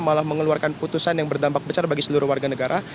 malah mengeluarkan putusan yang berdampak besar bagi seluruh warga negara